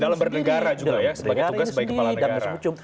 dalam bernegara juga ya sebagai tugas sebagai kepala negara